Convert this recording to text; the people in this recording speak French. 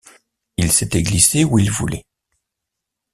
Il s’était glissé où il voulait.